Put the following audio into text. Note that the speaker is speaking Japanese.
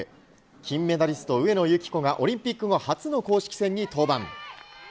金メダリスト・上野由岐子がオリンピック後、初の公式戦に登板。